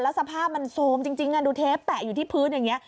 สภาพมันโซมจริงดูเทปแตะอยู่ที่พื้นอย่างนี้